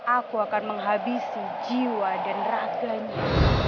aku akan menghabisi jiwa dan raganya